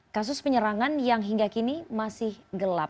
kasus penyerangan yang hingga kini masih gelap